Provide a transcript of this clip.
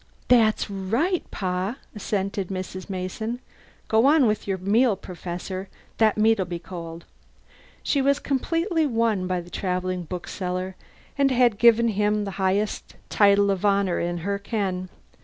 "That's right, Pa," assented Mrs. Mason. ("Go on with your meal, Professor, the meat'll be cold.") She was completely won by the travelling bookseller, and had given him the highest title of honour in her ken.